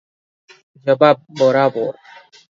ଜବାବ - ବରୋବର ।